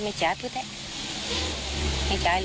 ที่บอกไปอีกเรื่อยเนี่ย